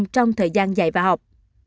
trong thời gian dạy và học